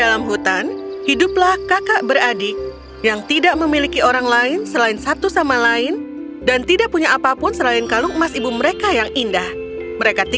adik dan kakak